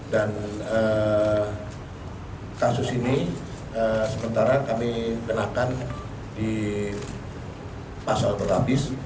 dan kasus ini sementara kami menangkan di pasal berlapis